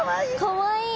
かわいい！